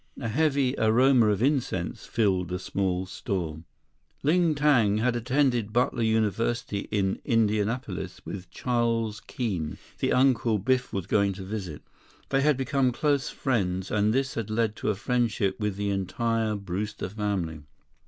A heavy aroma of incense filled the small store. 10 Ling Tang had attended Butler University in Indianapolis with Charles Keene, the uncle Biff was going to visit. They had become close friends, and this had led to a friendship with the entire Brewster family.